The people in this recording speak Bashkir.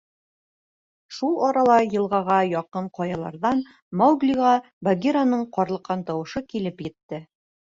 Шул арала йылғаға яҡын ҡаяларҙан Мауглиға Багираның ҡарлыҡҡан тауышы килеп етте.